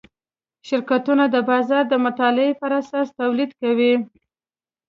شرکتونه د بازار د مطالعې پراساس تولید کوي.